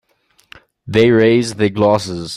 They raise their glasses.